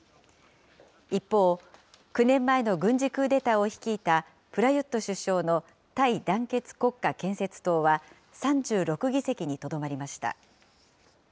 一方、９年前の軍事クーデターを率いたプラユット首相のタイ団結国家建設党は、３６議席にとどまりました。